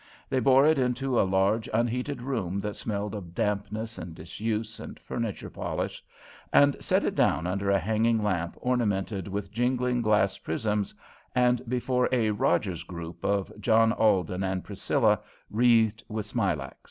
They bore it into a large, unheated room that smelled of dampness and disuse and furniture polish, and set it down under a hanging lamp ornamented with jingling glass prisms and before a "Rogers group" of John Alden and Priscilla, wreathed with smilax.